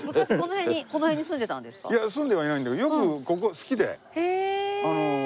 いや住んではいないんだけどよくここ好きで来るんですよ。